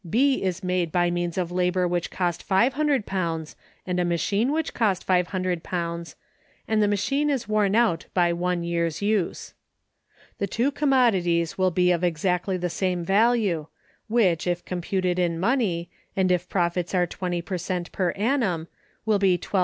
B is made by means of labor which cost £500 and a machine which cost £500, and the machine is worn out by one year's use. The two commodities will be of exactly the same value, which, if computed in money, and if profits are 20 per cent per annum, will be £1,200.